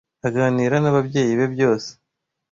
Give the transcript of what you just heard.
Aganira n'ababyeyi be byose.